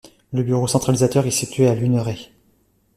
Le bureau centralisateur est situé à Luneray.